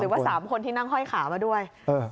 ว่า๓คนที่นั่งห้อยขามาด้วย